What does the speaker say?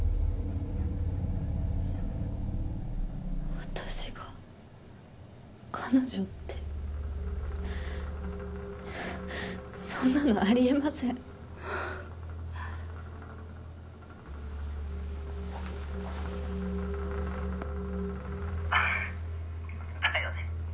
私が彼女ってそんなのありえません「アハッだよね」